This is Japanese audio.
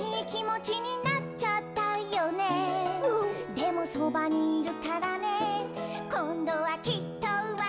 「でもそばにいるからねこんどはきっとうまくいくよ！」